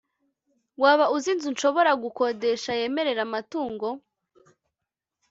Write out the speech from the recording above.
Waba uzi inzu nshobora gukodesha yemerera amatungo